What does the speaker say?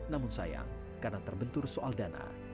namun sayang karena terbentur soal dana